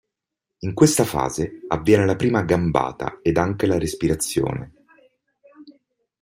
In questa fase avviene la prima gambata ed anche la respirazione.